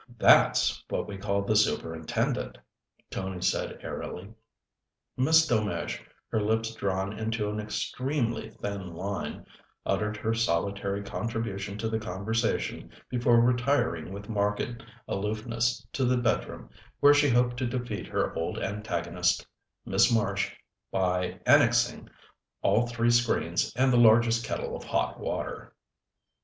"That's what we call the Superintendent," Tony said airily. Miss Delmege, her lips drawn into an extremely thin line, uttered her solitary contribution to the conversation, before retiring with marked aloofness to the bedroom where she hoped to defeat her old antagonist, Miss Marsh, by annexing all three screens and the largest kettle of hot water.